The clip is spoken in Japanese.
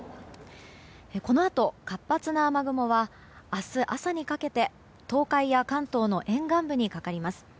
このあと活発な雨雲は明日朝にかけて東海や関東の沿岸部にかかります。